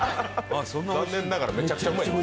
残念ながら、めちゃくちゃうまいです。